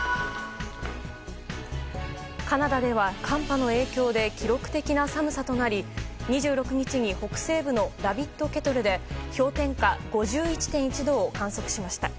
カナダでは寒波の影響で記録的な寒さとなり２６日に北西部のラビット・ケトルで氷点下５１．１度を観測しました。